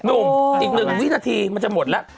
นุ่มอีกหนึ่งวินาทีมันจะหมดละ